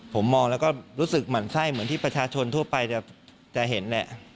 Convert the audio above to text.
ผมมองแล้วก็รู้สึกหมั่นไส้เหมือนที่ประชาชนทั่วไปจะเห็นแหละ